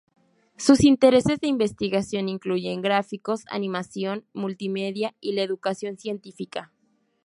Sus intereses de investigación incluyen gráficos, animación, multimedia, y la educación científica.